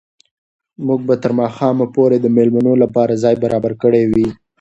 موږ به تر ماښامه پورې د مېلمنو لپاره ځای برابر کړی وي.